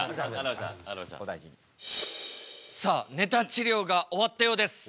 さあネタ治りょうが終わったようです。